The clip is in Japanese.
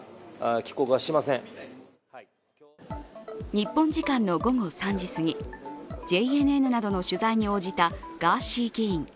日本時間の午後３時すぎＪＮＮなどの取材に応じたガーシー議員。